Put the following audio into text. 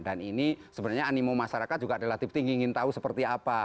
dan ini sebenarnya animo masyarakat juga relatif tinggi ingin tahu seperti apa